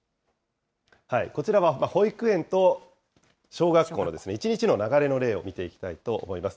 こちらは保育園と小学校の１日の流れの例を見ていきたいと思います。